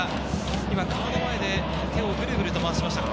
今カード前で手をぐるぐると回しました。